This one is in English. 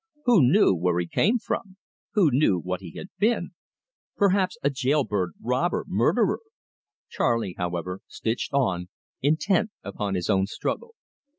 Who knew where he came from? Who knew what he had been? Perhaps a jail bird robber murderer! Charley, however, stitched on, intent upon his own struggle.